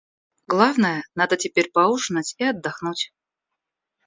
Главное, надо теперь поужинать и отдохнуть.